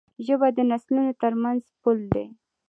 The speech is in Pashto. ژبه د نسلونو ترمنځ پُل دی.